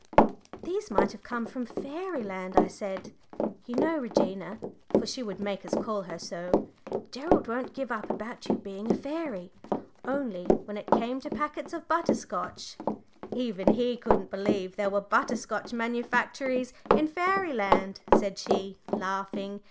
"These might have come from Fairyland," I said. "You know, Regina" for she would make us call her so "Gerald won't give up about you being a fairy; only when it came to packets of butter scotch " "Even he couldn't believe there were butter scotch manufactories in Fairyland," said she, laughing.